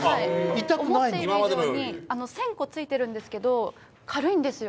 思っている以上に、１０００個ついてるんですけど軽いんですよ。